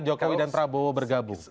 jokowi dan prabowo bergabung